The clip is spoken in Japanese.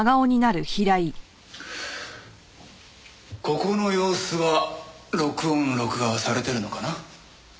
ここの様子は録音録画はされてるのかな？